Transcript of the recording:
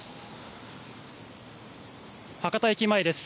博多駅前です。